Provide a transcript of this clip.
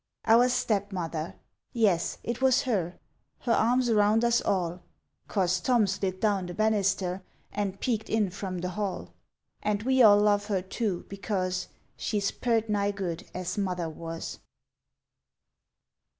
Our Stepmother! Yes, it was her, Her arms around us all 'Cause Tom slid down the bannister And peeked in from the hall. And we all love her, too, because She's purt nigh good as Mother was!